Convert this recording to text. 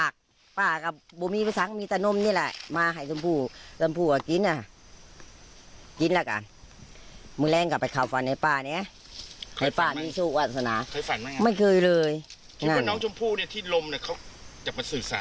คิดว่าน้องชมพู่เนี่ยที่ลมเนี่ยเขาจะมาสื่อสารให้เราแบบ